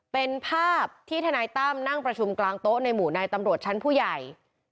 เป็นภาพที่ทนายตั้มนั่งประชุมกลางโต๊ะในหมู่นายตำรวจชั้นผู้ใหญ่